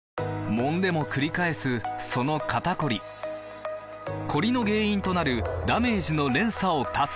もんでもくり返すその肩こりコリの原因となるダメージの連鎖を断つ！